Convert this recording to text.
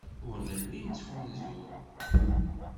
Ur nelli nettfunzur.